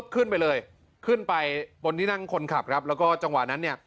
ขึ้นไปเลยขึ้นไปบนที่นั่งคนขับครับแล้วก็จังหวะนั้นเนี่ย